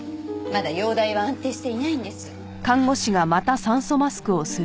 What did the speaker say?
まだ容体は安定していないんです。